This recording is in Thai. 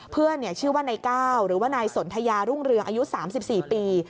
ชื่อว่านายก้าวหรือว่านายสนทยารุ่งเรืองอายุ๓๔ปี